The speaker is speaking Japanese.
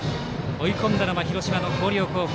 追い込んだのは広島の広陵高校。